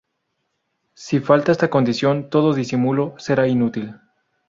Si falta esta condición, todo disimulo será inútil.